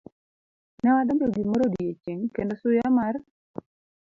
Ne wadonjo gimoro odiechieng' kendo suya mar